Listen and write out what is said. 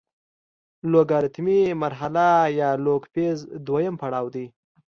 لوګارتمي مرحله یا لوګ فیز دویم پړاو دی.